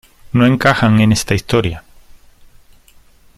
no encajan en esta historia.